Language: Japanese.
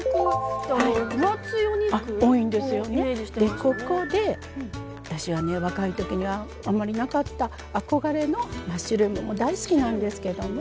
でここで私はね若い時にはあんまりなかった憧れのマッシュルームも大好きなんですけどね